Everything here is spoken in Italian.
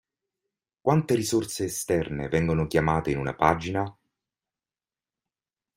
Quante risorse esterne vengono chiamate in una pagina?